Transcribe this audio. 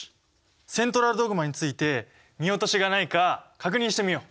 セントラルドグマについて見落としがないか確認してみよう！